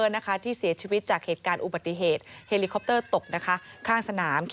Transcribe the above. ที่เสียชีวิตจากเหตุการณ์อุบัติเหตุเฮลิคอปเตอร์ตกนะคะข้างสนาม